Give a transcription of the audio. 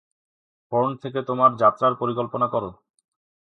হোর্ন থেকে তোমার যাত্রার পরিকল্পনা করো।